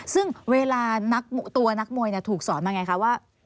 ซึ่งเวลาตัวนักมวยถูกสอนมาไงคะว่า